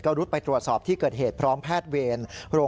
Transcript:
รุดไปตรวจสอบที่เกิดเหตุพร้อมแพทย์เวร